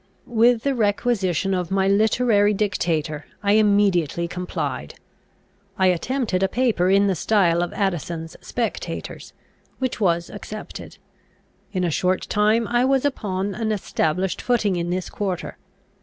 With the requisition of my literary dictator I immediately complied. I attempted a paper in the style of Addison's Spectators, which was accepted. In a short time I was upon an established footing in this quarter.